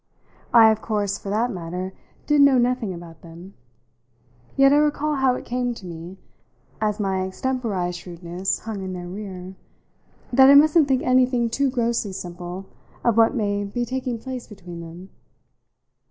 I, of course, for that matter, did know nothing about them; yet I recall how it came to me, as my extemporised shrewdness hung in their rear, that I mustn't think anything too grossly simple of what might be taking place between them.